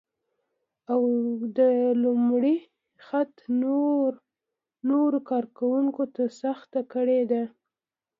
او د لومړي خط نورو کار کونکو ته سخته کړې ده